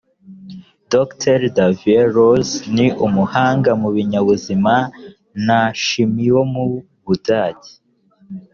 dogiteri davey loos ni umuhanga mu binyabuzima na shimi wo mu budage